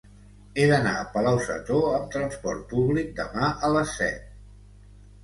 He d'anar a Palau-sator amb trasport públic demà a les set.